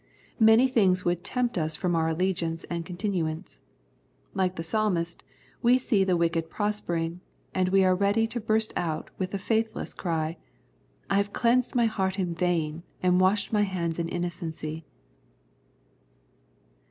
Many things would tempt us from our allegiance and continuance. Like the Psalmist, we see the wicked prospering, and we are ready to burst out with the faithless cry :" I have cleansed my heart in vain, and washed my hands in innocency."